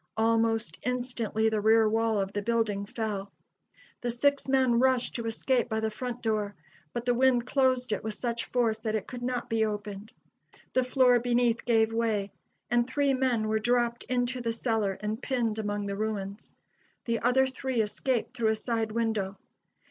Almost instantly the rear wall of the building fell. The six men rushed to escape by the front door, but the wind closed it with such force that it could not be opened. The floor beneath gave way, and three men were dropped into the cellar and pinned among the ruins. The other three escaped through a side window.